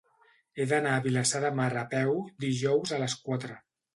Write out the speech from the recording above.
He d'anar a Vilassar de Mar a peu dijous a les quatre.